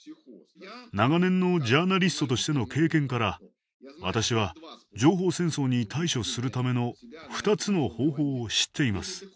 長年のジャーナリストとしての経験から私は情報戦争に対処するための２つの方法を知っています。